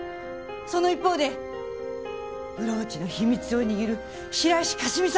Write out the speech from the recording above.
その一方でブローチの秘密を握る白石佳澄さんを。